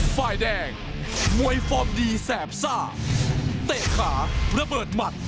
ฝ่ายแดงมวยฟอร์มดีแสบซ่าเตะขาระเบิดหมัด